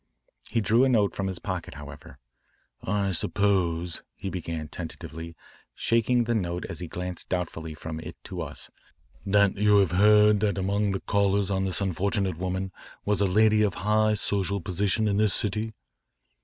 He drew a note from his pocket, however. "I suppose," he began tentatively, shaking the note as he glanced doubtfully from it to us, "that you have heard that among the callers on this unfortunate woman was a lady of high social position in this city?"